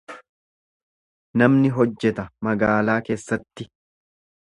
Namni hojjeta magaalaa keessatti.